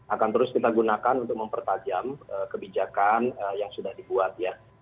akan terus kita gunakan untuk mempertajam kebijakan yang sudah dibuat ya